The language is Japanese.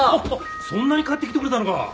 そんなに買ってきてくれたのか。